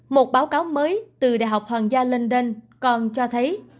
một báo cáo mới từ đại học hoàng gia london còn cho thấy